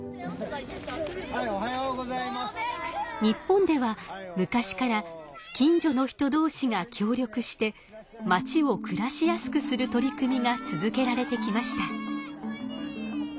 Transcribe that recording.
日本では昔から近所の人どうしが協力してまちをくらしやすくする取り組みが続けられてきました。